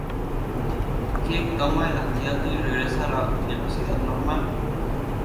Kirk toma el antídoto y regresa a la velocidad normal.